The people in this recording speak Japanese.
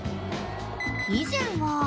［以前は］